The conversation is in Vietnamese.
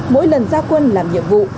mỗi lần gia quân làm nhiệm vụ